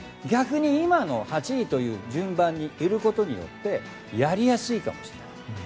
逆に今の８位という順番にいることによってやりやすいかもしれない。